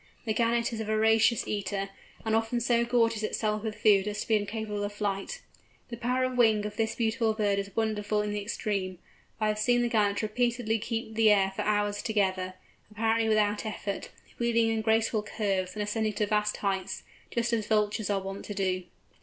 The Gannet is a voracious eater, and often so gorges itself with food as to be incapable of flight. The power of wing of this beautiful bird is wonderful in the extreme. I have seen the Gannet repeatedly keep the air for hours together, apparently without effort, wheeling in graceful curves, and ascending to vast heights, just as Vultures are wont to do.